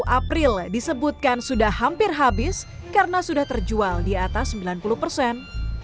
dua puluh april disebutkan sudah hampir habis karena sudah terjual di atas sembilan puluh persen